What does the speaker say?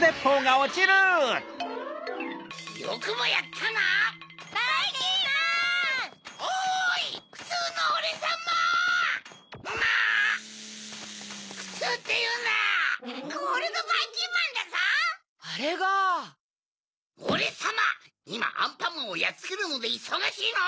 おれさまいまアンパンマンをやっつけるのでいそがしいの！